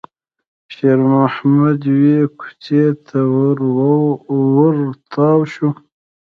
شېرمحمد يوې کوڅې ته ور تاو شو.